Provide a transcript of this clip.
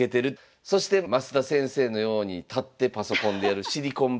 そして増田先生のように立ってパソコンでやるシリコンバレー式。